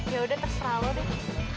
yaudah terserah lu deh